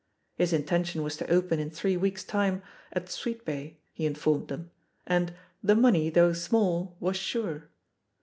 His in tention was to open in three weeks' time at Sweet bay, he informed them, and "the money, though small, was sure."